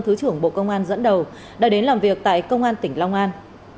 thứ trưởng bộ công an dẫn đầu đã đến làm việc tại công an tỉnh long an